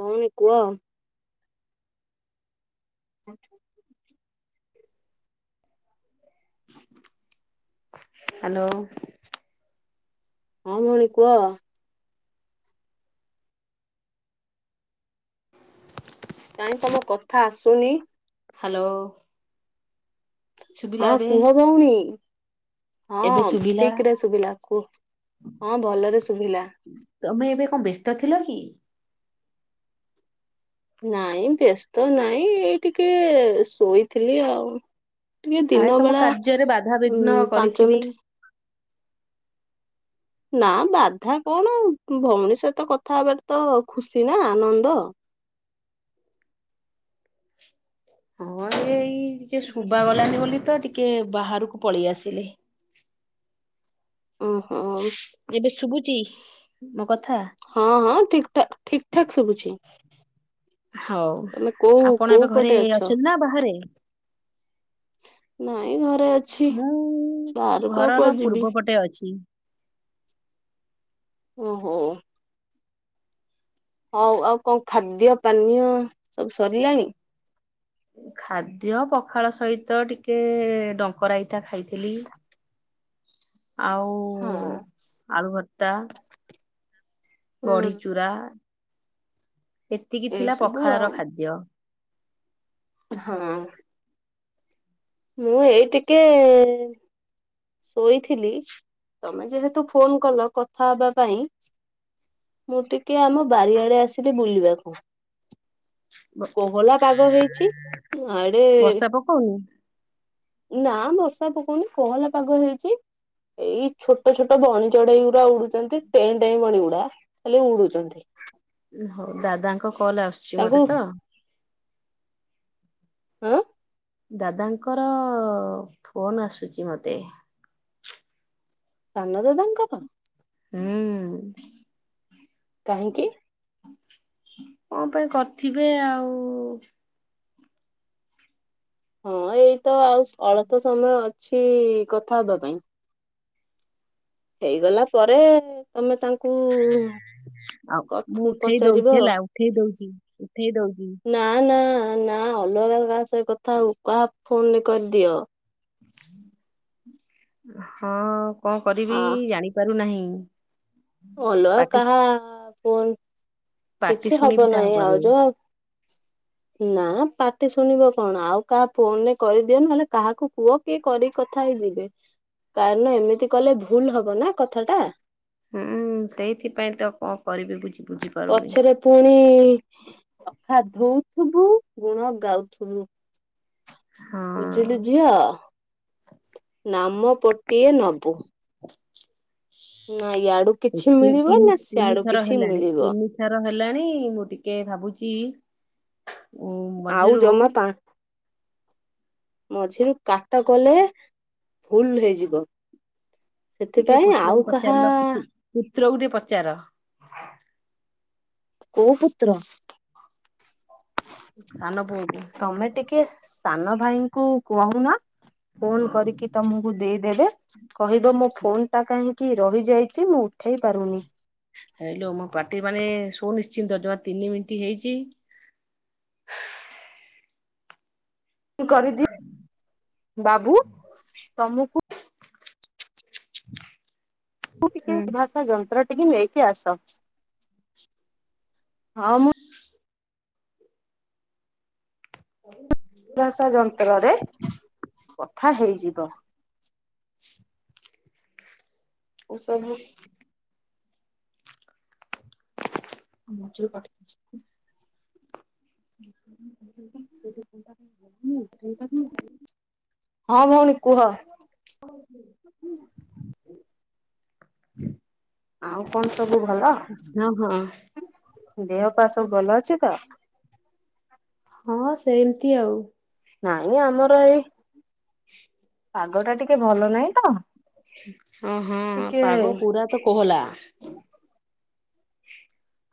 ଭଉଣୀ କୁଅ। [unintelligible] ହାଲୋ। ହଁ ଭଉଣୀ କୁହ। କାଇଁ ତମ କଥା ଆସୁନି। ହାଲୋ। ହଁ କୁହ ଭଉଣୀ। ଏବେ ହଁ ଶୁଭିଲା। ଠିକରେ ଶୁଭିଲା କୁ ହଁ ଭଲରେ ଶୁଭିଲା। ତମେ ଏବେ କଁ ବ୍ୟସ୍ତ ଥିଲ କି? ନାଇଁ ବ୍ୟସ୍ତ ନାଇଁ ଏଇ ଟିକେ ଶୋଇଥିଲି ଆଉ। ଟିକେ କାଳେ ଦିନ ତମ ବେଳା କାର୍ଯ୍ୟରେ ଉ ବାଧାବିଘ୍ନ ପାଞ୍ଚ କରିଥିବି। ମିଣ୍ଟି ନା ବାଧା କଣ ଭଉଣୀ ସହିତ କଥା ହବାଟା ତ ଖୁସି ନା ଆନନ୍ଦ। ହଁ ଏଇ ଟିକେ ଶୁବା ଗଲାନି ବୋଲି ତ ଟିକେ ବାହାରକୁ ପଳେଇ ଆସିଲି। ଓହୋଉ। ଏବେ ଶୁଭୁଚି ମୋ କଥା? ହଁ ହଁ ଠିକଠା ଠିକ ଠାକ୍ ସୁବୁଛି। ହଉ କୋଉ ଆପଣ କୋଉ ଏବେ ଘରେ ପଟେ ଅଛ ଅଛନ୍ତି ନା ବାହାରେ? ନାଇଁ ଘରେ ଅ ମୁଁ ଘରର ଯିବି ପୂର୍ବ ପଟେ ଅଛି। ଓହୋ। ହଉ ଆଉ କଣ ଖାଦ୍ୟ ପାନୀୟ ସବୁ ସରିଲାଣି? ଖାଦ୍ୟ ପଖାଳ ସହିତ ଟିକେ ଡଙ୍କରାଇତା ଖାଇଥିଲି। ଆଉ ହଁ ଓ ଆଳୁ ଭର୍ତ୍ତା ହୁଁ। ବଡ଼ି ଚୂୁରା। ଏତିକି ଏଇ ଥିଲା ସବୁ ପଖାଳର ଖାଦ୍ୟ। ହୁଁ। ମୁଁ ଏଇ ଟିକେ ଶୋଇଥିଲି ତମେ ଯେହେତୁ ଫୋନ କଲ କଥା ହବା ପାଇଁ ମୁଁ ଟିକେ ଆମ ବାରିଆଡେ ଆସିଲି ବୁଲିବାକୁ। କୋହଲା ପାଗ ହେଇଛି ଆଡେ-ଏ-ଏ ହୁଇ ନା ବର୍ଷା ପକଉନି କୋହଲା ପାଗ ହେଇଛି। ଏଇ ଛୋଟ ଛୋଟ ବଣି ଚଢେଇ ଗୁଡା ଉଡୁଛନ୍ତି ଟେଁ ଟେଁ ବଣି ଗୁଡା। ଖାଲି ଉଡୁଛନ୍ତି। ହଁ ଦାଦାଙ୍କ କଲ୍ ଆସୁଛି ତାଙ୍କୁ ମତେ ତ। ହ ଦାଦାଙ୍କର-ଅ-ଅ-ଅ-ଅ ଫୋନ ଆସୁଛି ମତେ। ସାନ ଦାଦାଙ୍କର? ହୁଁ। କାହିଁକି? କଣ ପାଇଁ କରିଥିବେ ଆଉ-ଉ-ଉ-ଉ। ହଁ ଏଇତ ଆଉ ଅଳ୍ପ ସମୟ ଅଛି-ଇ-ଇ କଥା ହବା ପାଇଁ। ହେଇଗଲା ପରେ ତମେ ତାଙ୍କୁ ଆଉ ମୁଁ କଥ ଉଠେଇ ପଚାରିବ ଦଉଛି ଆଉ। ହେଲା ଉଠେଇ ଦଉଛି ଉଠେଇ ଦଉଛି। ନା ନା ନା ଅଲଗା କାହା ସହ କଥା ହୁଅ କାହା ଫୋନରେ କରିଦିଅ। ହଁ କଣ ଆ କରିବି-ଇ-ଇ-ଇ ଜାଣିପାରୁନାହିଁ। ଅଲଗା ପାଟି କାହା-ଆ-ଆ ଫୋନ୍। ପାଟି ଶୁଣିବିି ତାହା ପରେ। ଯୋଉ ନା ପାଟି ଶୁଣିବ କଣ ଆଉ କାହା ଫୋନରେ କରିଦିଅ ନ ହେଲେ କାହାକୁ କୁହ କିଏ କରି କଥା ହେଇଯିବେ କାରଣ ଏମିତି କଲେ ଭୁଲ ହବ ନା କଥା ଟା। ହୁଁ ସେଇଥିପାଇଁ ତ କଣ କରିବି ବୁଝି ବୁଝିି ପଛରେ ପୁଣି-ଇ-ଇ-ଇ ଅଖା ଧଉଥିବୁ ଗୁଣ ଗାଉଥିବୁ। ବୁଝିଲୁ ହଁ ଝିଅ। ନାମ ପୋଟିଏ ନବୁ। [inaudible] ନାଁ ଇଆଡୁ ଏଇ କିଛି ତିନ୍ ମିଳିବ ତିନି ନା ତିନି ସିଆଡୁ ଥର କିଛି ହେଲାଣି ମିଳିବ ତିନି ଥର ହେଲାଣି-ଇ-ଇ ମୁଁ ଟିକେ ଭାବୁଛି ଆଉ ମଝିରୁ ଜମା ପା ମଝିରୁ କାଟ କଲେ ଭୁଲ ହେଇଯିବ ସେଥିପାଇଁ ଆଉ କାହା-ଆ-ଆ-ଆ-ଆ ପୁତ୍ର କୁ ଟିକେ ପଚାର। କୋଉ ପୁତ୍ର ସାନ ପୁଅକୁ ତମେ ଟିକେ ସାନ ଭାଇଙ୍କୁ କହୁନ ଫୋନ କରିକି ତମକୁ ଦେଇଦେବେ କହିବ ମୋ ଫୋନ ଟା କାହିଁକି ରହିଯାଇଛି ମୁଁ ଉଠେଇ ପାରୁନି। ହେଇଲୋ ମୋ ପର୍ତି ବନେ ସୁନିଶ୍ଚିନ୍ତ ଜମା ତିନି ମିନିଟ୍ ହେଇଛି। କରିଦି ବାବୁ ତମକୁ [inaudible] ଉ ଟିକେ ଭାଷା ଯନ୍ତ୍ର ଟିକେ ନେଇକି ଆସ ହଁ ମୁଁ ଅଭାଷା ଯନ୍ତ୍ରରେ କଥା ହେଇଯିବ। ମୁଁ ଏସବୁ ଚାଲିଲି। ମଝିରୁ କଟିଛି। ହଁ ଭଉଣୀ କୁହ। [unintelligible] ଆଉ କଣ ସବୁ ଭଲ, ହଁ ହଁ ଦେହ ପା ସବୁ ଭଲ ଅଛି ତ? ହଁ ସେମିତି ଆଉ। ନାଇଁ ଆମର ଏଇ ପାଗ ଟା ଟିକେ ଭଲ ନାହିଁ ତ। ହଁ ହଁ ଟିକେ ପାଗ ପୁରା ତ କୋହଲା।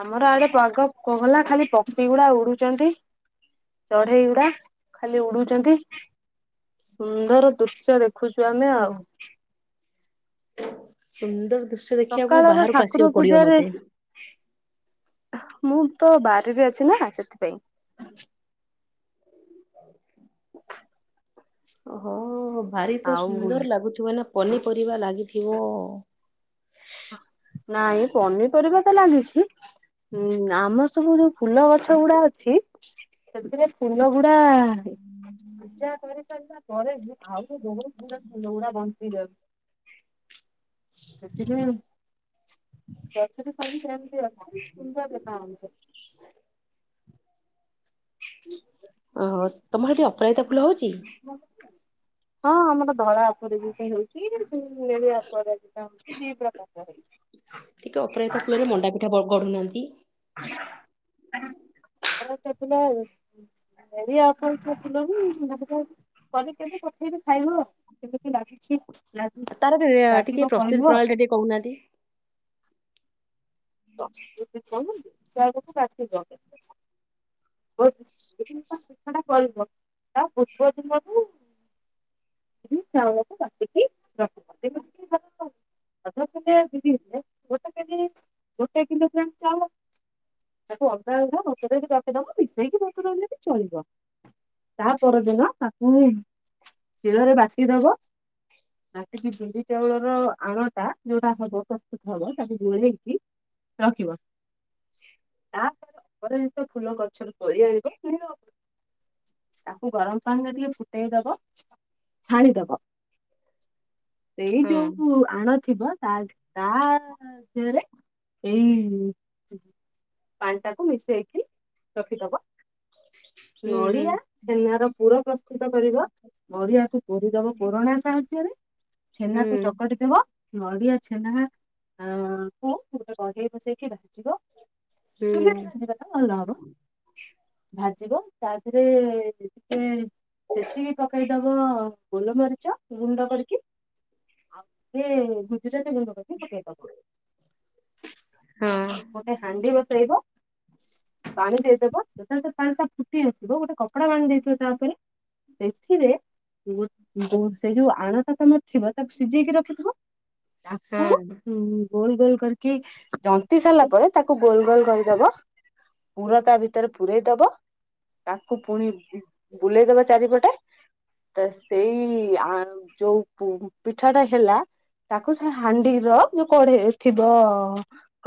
ଆମର ଆଡେ ପାଗ କୋହଲା ଖାଲି ପକ୍ଷୀ ଗୁଡା ଉଡୁଛନ୍ତି ଚଢେଇ ଗୁଡା। ଖାଲି ଉଡୁଛନ୍ତି ସୁନ୍ଦର ଦୃଶ୍ୟ ଦେଖୁଛୁ ଆମେ ଆଉ। ସୁନ୍ଦର ଦୃଶ୍ୟ ଦେଖିବାକୁ ସକାଳର ବାହାରକୁ ଠାକୁର ଆସିବାକୁ ପଡିବ ପୂଜାରେ ମତେ। ମୁଁ ତ ବାରିରେ ଅଛି ନା ସେଥିପାଇଁ। [inaudible] ଓହୋ ଭାରି ତ ଆଉ ସୁନ୍ଦର ଲାଗୁଥିବ ନା ପନିପରିବା ଲାଗିଥିବ। ନାଇଁ ପନିପରିବା ତ ଲାଗିଛି ଉଁ ଆମର ସବୁ ଯୋଉ। ଫୁଲ ଗଛ ଗୁଡା ଅଛି ସେଥିରେ ଫୁଲ ଗୁଡା। ପୂଜା କରିସାରିଲା ପରେ ବି ଆହୁରି ବହୁତ ଗୁଡ଼ା ଫୁଲ ଗୁରା ବଞ୍ଚି ଯାଉ [inaudible] ରଖିଛୁ। [unintelligible] କି ଶାଢ଼ୀ। ହୁଁ। ଓହୋ ତମର ସେଠି ଅପରାଜିତା ଫୁଲ ହଉଛି। ହଁ ଆମର ଧଳା ଅପରାଜିତା ହଉଛି [unintelligible] ନେଳିଆ ଅପରାଜିତା ହଉଛି ଦି ପ୍ରକାରର ହଉଚି। ଟିକେ ଅପରାଜିତା ଫୁଲରେ ମଣ୍ଡା ପିଠା ବ ଗଢୁନାହାନ୍ତି। [unintelligible] ତ ଫୁଲ ଆଉ। [unintelligible] ଥିଲେ ବି [unintelligible] କରି କେବେ ପଠେଇବି ଖାଇବ କେମିତି ଲାଗି ତାର ରେ ରେ ଆ ଟିକେ ଲାଗିବ ପ୍ରସ୍ତୁତି କହିବ ଆଉ ପ୍ରଣାଳୀ ଟା ଟିକେ କହୁନାହାନ୍ତି। [unintelligible] କାର୍ତ୍ତିକ। [unintelligible] କରିବ ତା ପୂର୍ବ ଦିନରୁ। ଟିକି ଚାଉଳକୁ ବାଟିକି ରଖିବ ଯେମିତି କି [unintelligible] [unintelligible] ଭିଯେଇଥିଲେ ଗୋଟେକେଜି। ଗୋଟେ କିଲୋ ଗ୍ରାମ ଚାଉଳ। ତାକୁ ଅଧା ଅଧା ବତୁରେଇକି ରଖିଦବ ମିଶେଇକି ବତୁରେଇଲେ ବି ଚଳିବ। ତା ପରଦିନ ତାକୁ ଶିଳରେ ବାଟି ଦବ। ବାଟିକି ବିରି ଚାଉଳର ଆଣଟା ଯୋଉଟା ହବ ପ୍ରସ୍ତୁତ ହବ ତାକୁ ଗୋଳେଇକି। ରଖିବ ତାପର ପରେ ଯେତେ ଫୁଲ ଗଛ କରି ଆଣିବ। ତାକୁ ଗରମ ପାଣିରେ ଟିକେ ଫୁଟେଇ ଦବ ଛାଣିଦବ। ସେଇ ହଁ ଯୋଉ ଆଣ ଥିବ ତା ତା ଦେହରେ। ଏଇ ପାଣି ଟାକୁ ମିଶେଇକି ରଖିଦବ। ହୁଁ ହୁଁ ନଡିଆ ଛେନାର ପୁର ପ୍ରସ୍ତୁତ କରିବ। ନଡିଆକୁ କୋରିଦବ କୋରଣା ସାହାଯ୍ୟରେ ଛେନାକୁ ହୁଁ ଚକଟି ଦେବ। ନଡ଼ିଆ ଛେନା ଆ କୁ ଗୋଟେ କଢେଇ ବସେଇକି ଭାଯିବ। ହୁଁ ଚୁଲିରେ ଭାଜିଦେଲେ ଭଲ ହବ। ଭାଜିବ ତା ଧେରେ ଏ ଟିକେ ଛେଚିକି ପକେଇ ଦବ ଗୋଲମରିଚ ଗୁଣ୍ଡ କରିକି। ଆଉ ଟିକେ ଗୁଜୁରାତି ଗୁଣ୍ଡ ପକେଇ ପକେଇଦବ। ହଁ। ଏ ହାଣ୍ଡି ବସେଇବ। ପାଣି ଦେଇଦବ ଯେତେବେଳେ ସେ ପାଣି ଟା ଫୁଟି ଆସିବ ଗୋଟେ କପଡ଼ା ବାନ୍ଧି ଦେଇଥିବ ତା ଉପରେ। ଏଥିରେ। ଉଁ ଯୋଉ ଯୋଉ ସେ ଯୋଉ ଆଣ ତମର ଥିବ ତାକୁ ସିଝେଇକି ରଖିଥିବ। ତାକୁ ହଁ। ଉଁ ଗୋଲ ଗୋଲ କରିକି। ଜନ୍ତି ସାରିଲା ପରେ ତାକୁ ଗୋଲ ଗୋଲ କରିଦବ ପୁର ତା ଭିତରେ ପୂରେଇ ଦବ। ତାକୁ ପୁଣି ଉଁ ବୁଲେଇଦବ ଚାରିପଟେ। ତ ସେଇ ଆ ମ ଯୋଉ ପୁ ପିଠାଟା ହେଲା। ତାକୁ ସେ ହାଣ୍ଡିର ଯୋଉ କଢେଇ ଥିବ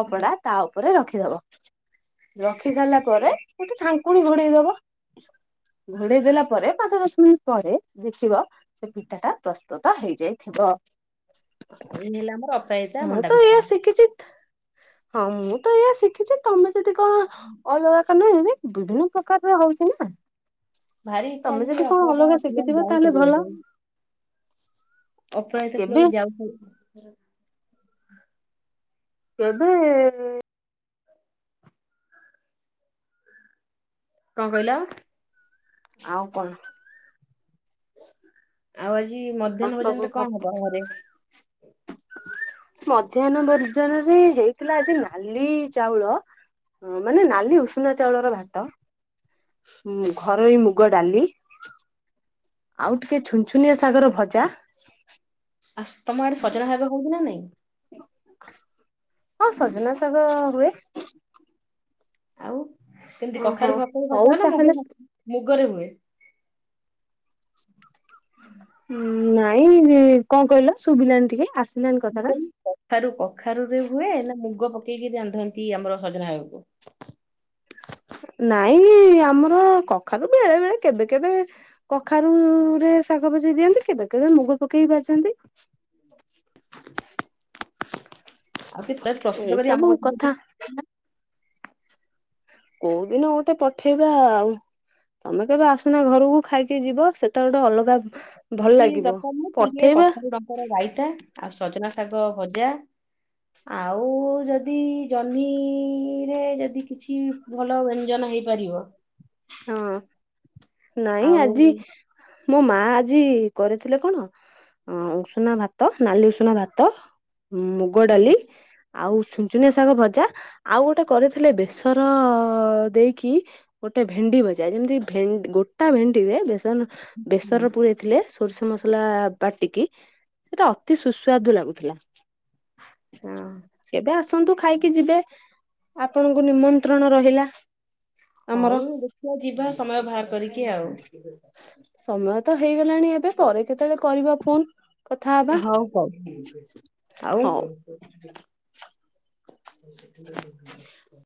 କପଡା ତା ଉପରେ ରଖିଦବ। ରଖିସାରିଲା ପରେ ଗୋଟେ ଢାଙ୍କୁଣି ଘୋଡେଇ ଦବ। ଘୋଡେଇ ଦେଲା ପରେ ପାଞ୍ଚ ଦଶ ମିନିଟ ପରେ ଦେଖିବ ସେ ପିଠାଟା ପ୍ରସ୍ତୁତ ହେଇଯାଇଥିବ। ଏଇ ହେଲା ଆମର ଅପେଜ ମୁଁ ତ ଏଇୟା ଶିଖିଚି ହଁ ମୁଁ ତ ଏଇୟା ଶିଖିଛିି। ତମେ ଯଦି କଣ ଅଲଗା କଲ ଏମିତି ବିଭିନ୍ନ ପ୍ରକାରର ହଉଛି ନା। ଭାରି ଇଚ୍ଛା ଅଛି ତମେ ଟିକେ ଯଦି କଣ ଅପରାଜିତା ଅଲଗା ଫୁଲରେ ଶିଖିଥିବ ଯାଉ ତାହେଲେ କରିବା ଭଲ। ପାଇଁ। ଅପରାଜିତା କେବେ ଫୁଲରେ ଯାଉ ଫାଉ। କେବେ କଣ କହିଲ? ଆଉ କଣ? ଆଉ ଆଜି ଆଉ ମଧ୍ୟାହ୍ନ ସବୁ ଭୋଜନରେ ଭଲ କଣ ହବ ଘରେ? ମଧ୍ୟାହ୍ନ ଭୋଜନରେ ହେଇଥିଲା ଆଜି ନାଲି ଚାଉଳ ମାନେ ନାଲି ଉଷୁନା ଚାଉଳର ଭାତ। ଘରୋଇ ମୁଗ ଡାଲି ଆଉ ଟିକେ ଛୁନ-ଛୁନ ଚୁନିଆ ସାଗର ଭଜା। ଆସ୍ ତମ ଆଡେ ସଜନା ଶାଗ ହଉଛି ନା ନାଇଁ? ହଁ ସଜନା ଶାଗ ହୁଏ। ଆଉ କେମିତି ଓହୋ କଖାରୁ ପକେଇ ହଉ ଭଜାଅ ନା ତାହେଲେ ମୁଗ ମୁଗରେ ହୁଏ? ନାଇଁ ସେ କଣ କହିଲ ଶୁଭିଲାନି ଟିକେ ଆସିଲାନି କଥାଟା? କଖାରୁ-କଖାରୁ ରେ ହୁଏ ନା ମୁଗ ପକେଇକି ରାନ୍ଧନ୍ତି ଆମର ସଜନା ଶାଗକୁ? ନାଇଁ ଆମର କଖାରୁ ବେଳେ-ବେଳେ କେବେ-କେବେ କଖାରୁ ରେ ଶାଗ ଭାଜି ଦିଅନ୍ତି କେବେ କେବେ ମୁଗ ପକେଇ ଭାଜନ୍ତି। ଆଉ [unintelligible] ଏଇ ପ୍ରସ୍ତୁତ କରି ସବୁ ଆମ [inaudible] କଥା କୋଉ ଦିନ ଗୋଟେ ପଠେଇବା ଆଉ। ତମେ କେବେ ଆସୁନା ଘରକୁ ଖାଇକି ଯିବ ସେଟା ଗୋଟେ ଅଲଗା ଭଲ କିଛି ଲାଗିବ ଦରକାର ନୁହଁ ଖାଲି ଟିକେ ପଠେଇବା କଖାରୁ ଡଙ୍କର ରାଇତା ଆଉ ସଜନା ଶାଗ ଭଜା। ଆଉ ଯଦି ଜହ୍ନିରେ ଯଦି କିଛି ଭଲ ବ୍ୟଞ୍ଜନ ହେଇପାରିବ। ହଁ ନାଇଁ ଆଉ ଆଜି ମୋ ମା ଆଜି କରିଥିଲେ କଣ? ଅ ଉଷୁନା ଭାତ ନାଲି ଉଷୁନା ଭାତ ମୁଗ ହୁଁ ଡାଲି। ଆଉ ଛୁଚୁନିଆ ଶାଗ ଭଜା ଆଉ ଗୋଟେ କରିଥିଲେ ବେସର ଦେଇକି। ଗୋଟେ ଭେଣ୍ଡି ଭଜା ଯେମିତି ଭେନ୍ ଗୋଟା ଭେଣ୍ଡି ରେ ବେସନ ହୁଁ ବେସର ପୁରେଇ ଥିଲେ। ସୋରିଷ ମସଲା ବାଟିକି ସେଟା ଅତି ସୁସ୍ୱାଦୁ ଲାଗୁଥିଲା। ହଁ। କେବେ ଆସନ୍ତୁ ଖାଇକି ଯିବେ ଆପଣଙ୍କୁ ନିମନ୍ତ୍ରଣ ରହିଲା। ହଉ ଆମର ଦେଖିବା ଯିବା ସମୟ ବାହାର କରିକି ଆଉ। ସମୟ ତ ହେଇଗଲାଣି ଏବେ ପରେ କେତେବେଳେ କରିବା ଫୋନ। କଥା ହବା ହଉ କହିବି ହଉ ଆଉ? [inaudible]